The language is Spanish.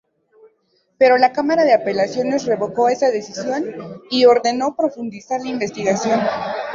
Pero la Cámara de Apelaciones revocó esa decisión y ordenó profundizar la investigación.